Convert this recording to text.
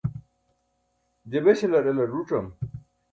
je beśalar elar ẓuc̣am